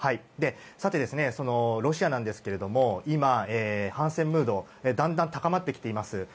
さて、ロシアなんですけど今、反戦ムードがだんだん高まってきています。